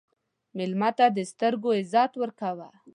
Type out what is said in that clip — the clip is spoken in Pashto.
مېلمه ته د سترګو عزت ورکړه.